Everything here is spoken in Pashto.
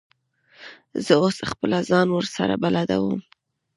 زه اوس خپله ځان ورسره بلدوم.